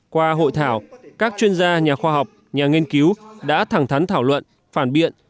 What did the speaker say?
qua hội thảo các chuyên gia nhà khoa học nhà nghiên cứu đã thẳng thắn thảo luận phản biện